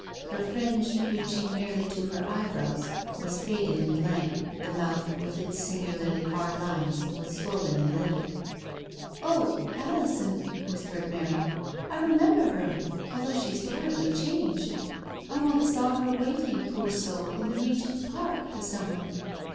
Her fringe, reaching nearly to her eyebrows, was faded and lank : the mouth, With its singularly W lines, was swollen and livid. "O Alison," whispered Mary, "I know her, although she's terribly changed. IVe often seen her, waiting, poor soul, in the Regent's Park, for someone."